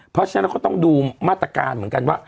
เพราะฉะนั้นเราก็ต้องดูมาตรการเหมือนกันว่า